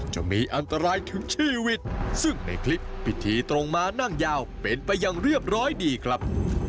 จะมีอันตรายถึงชีวิตซึ่งในคลิปพิธีตรงม้านั่งยาวเป็นไปอย่างเรียบร้อยดีครับ